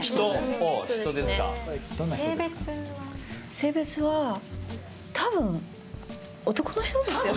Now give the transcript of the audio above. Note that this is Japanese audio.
性別は多分男の人ですよね？